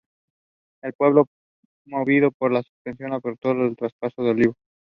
El pueblo movido por la superstición optó por trasplantar el olivo.